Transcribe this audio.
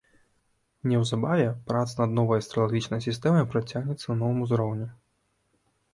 Неўзабаве праца над новай астралагічнай сістэмай працягнецца на новым узроўні.